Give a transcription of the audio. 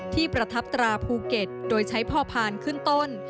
ประทับตราภูเก็ตโดยใช้พ่อพานขึ้นต้น